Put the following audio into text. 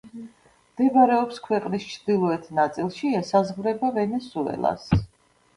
მდებარეობს ქვეყნის ჩრდილოეთ ნაწილში, ესაზღვრება ვენესუელას.